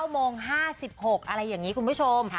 ๙โมง๕๖อะไรอย่างนี้คุณผู้ชม